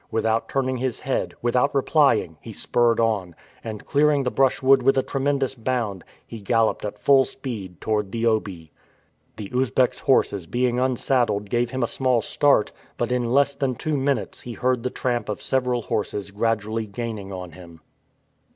Without turning his head, without replying, he spurred on, and, clearing the brushwood with a tremendous bound, he galloped at full speed toward the Obi. The Usbecks' horses being unsaddled gave him a small start, but in less than two minutes he heard the tramp of several horses gradually gaining on him.